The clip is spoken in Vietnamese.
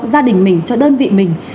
gia đình mình cho đơn vị mình